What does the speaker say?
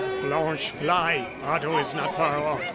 Blanche, fly! Otto is not far off.